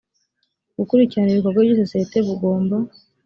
gukurikirana ibikorwa by isosiyete bugomba